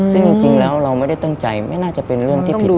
ซึ่งจริงแล้วเราไม่ได้ตั้งใจไม่น่าจะเป็นเรื่องที่ผิด